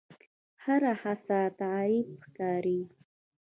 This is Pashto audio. هر هڅه تحریف ښکاري.